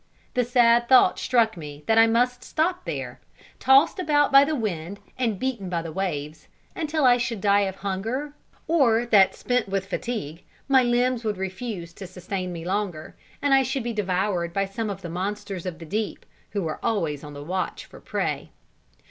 The sad thought struck me that I must stop there, tossed about by the wind and beaten by the waves, until I should die of hunger, or that, spent with fatigue, my limbs would refuse to sustain me longer, and I should be devoured by some of the monsters of the deep, who are always on the watch for prey.